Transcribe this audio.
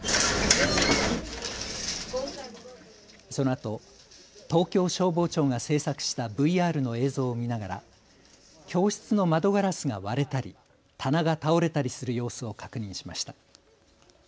そのあと東京消防庁が制作したＶＲの映像を見ながら教室の窓ガラスが割れたり棚が倒れたりする様子を確認しました。